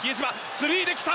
スリーで来た！